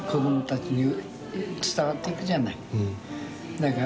だから